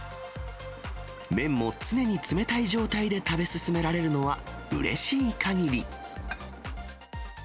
麺も常に冷たい状態で食べ進められるのは、うれしいかぎり。